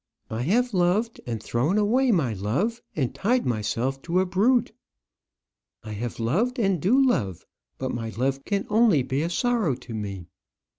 I have loved, and thrown away my love, and tied myself to a brute. I have loved, and do love; but my love can only be a sorrow to me.